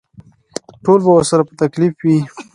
ټول به ورسره په تکلیف وي.